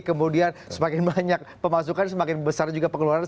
kemudian semakin banyak pemasukan semakin besar juga pengeluaran